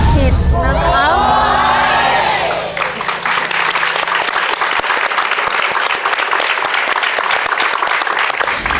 โฆษฎย์เงิน